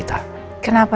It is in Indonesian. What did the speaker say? tapi tolong ya bel